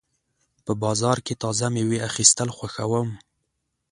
په بازار کې تازه مېوې اخیستل خوښوم.